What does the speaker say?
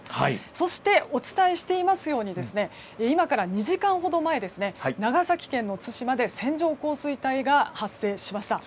そして、お伝えしていますように今から２時間ほど前長崎県の対馬で線状降水帯が発生しました。